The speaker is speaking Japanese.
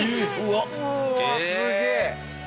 うわっすげえ！